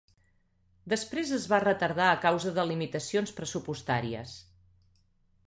Després es va retardar a causa de limitacions pressupostàries.